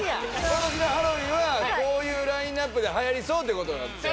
今年のハロウィンはこういうラインナップではやりそうってことなんですよね